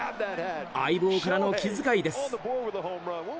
相棒からの気遣いです。